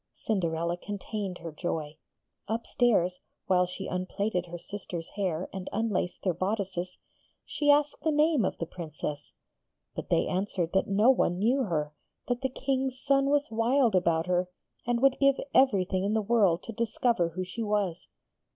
Cinderella contained her joy. Upstairs, while she unplaited her sisters' hair and unlaced their bodices, she asked the name of the Princess. But they answered that no one knew her; that the King's son was wild about her, and would give everything in the world to discover who she was.